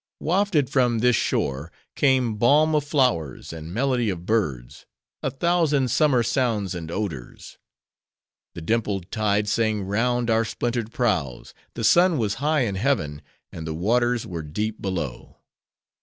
Wafted from this shore, came balm of flowers, and melody of birds: a thousand summer sounds and odors. The dimpled tide sang round our splintered prows; the sun was high in heaven, and the waters were deep below.